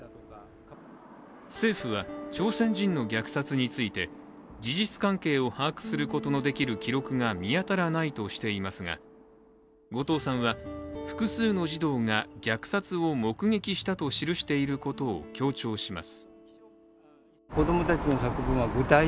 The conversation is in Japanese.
政府は朝鮮人の虐殺について、事実関係を把握することのできる記録が見当たらないとしていますが、後藤さんは複数の児童が虐殺を目撃したと記していることを強調します。